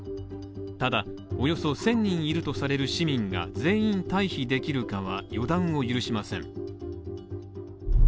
ただ、およそ１０００人いるとされる市民が全員退避できるかは予断を許しません。